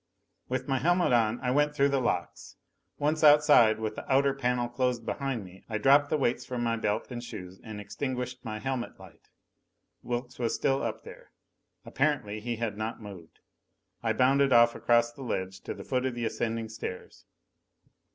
With my helmet on, I went through the locks. Once outside, with the outer panel closed behind me, I dropped the weights from my belt and shoes and extinguished my helmet light. Wilks was still up there. Apparently he had not moved. I bounded off across the ledge to the foot of the ascending stairs.